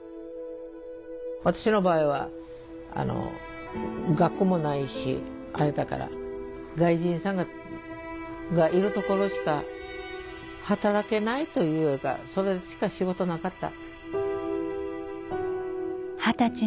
私の場合は学もないしあれだから外国人がいる所しか働けないというかそれしか仕事なかった。